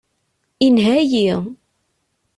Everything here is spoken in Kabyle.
Inha-yi.